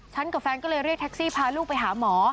กับแฟนก็เลยเรียกแท็กซี่พาลูกไปหาหมอ